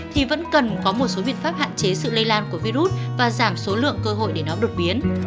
thì vẫn cần có một số biện pháp hạn chế sự lây lan của virus và giảm số lượng cơ hội để nó đột biến